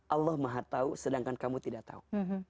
allah maha tau sedangkan kamu tidak tau